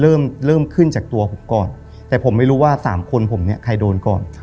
เริ่มเริ่มขึ้นจากตัวผมก่อนแต่ผมไม่รู้ว่าสามคนผมเนี่ยใครโดนก่อน